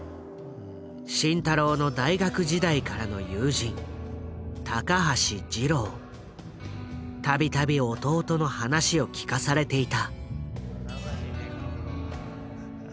慎太郎の大学時代からの友人度々弟の話を聞かされていた。